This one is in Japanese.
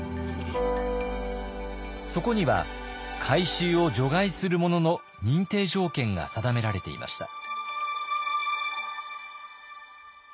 そこには回収を除外するものの認定条件が定められていました。